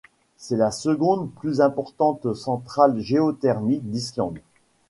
C'est la seconde plus importante centrale géothermique d'Islande.